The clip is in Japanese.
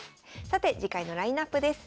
さて次回のラインナップです。